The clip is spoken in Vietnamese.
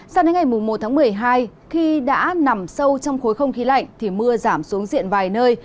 sao đến ngày một tháng một mươi hai khi đã nằm sâu trong khối không khí lạnh thì mưa giảm xuống diện vài nơi